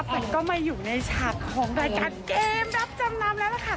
มันก็มาอยู่ในฉากของรายการเกมรับจำนำแล้วล่ะค่ะ